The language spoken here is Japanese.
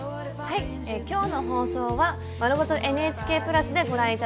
今日の放送は丸ごとＮＨＫ＋でご覧頂けます。